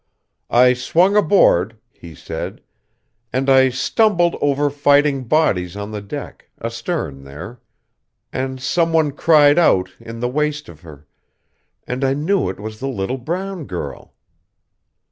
"I swung aboard," he said. "And I stumbled over fighting bodies on the deck, astern there. And some one cried out, in the waist of her; and I knew it was the little brown girl.